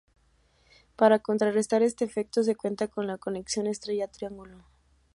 Para contrarrestar este efecto, se cuenta con la conexión estrella-triángulo.